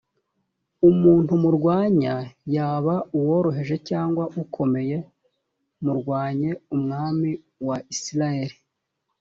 umuntu murwanya yaba uworoheje cyangwa ukomeye murwanye umwami wa isirayeli